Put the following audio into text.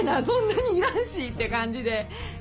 そんなに要らんしって感じで。